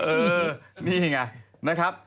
เออนี่ไงนะครับ